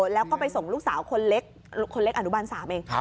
แล้วก็ไปส่งลูกสาวคนเล็กคนเล็กอนุบาล๓เอง